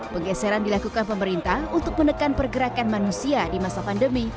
penggeseran dilakukan pemerintah untuk menekan pergerakan manusia di masa pandemi